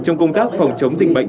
trong công tác phòng chống dịch bệnh